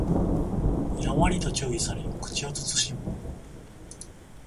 やんわりと注意され口を慎む